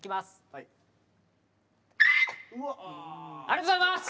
ありがとうございます。